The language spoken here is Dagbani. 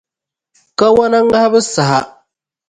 kawana ŋahibu saha.